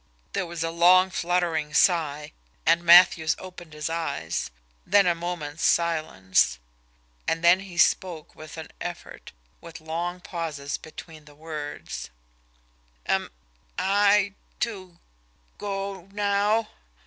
There was a long, fluttering sigh, and Matthews opened his eyes; then a moment's silence; and then he spoke, with an effort, with long pauses between the words: "Am I to go now?"